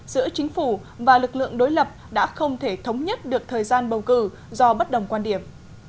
giữa chính phủ và lực lượng đối lập đã không thể thống nhất được thời gian bầu cử do bất đồng quan điểm